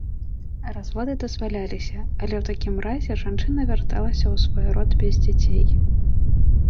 Разводы дазваляліся, але ў такім разе жанчына вярталася ў свой род без дзяцей.